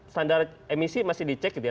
standar emisi masih dicek gitu ya